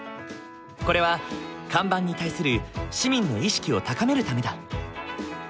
これは看板に対する市民の意識を高めるためだ。